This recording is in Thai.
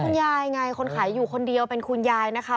คุณยายไงคนขายอยู่คนเดียวเป็นคุณยายนะคะ